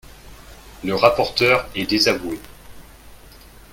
Le rapporteur est désavoué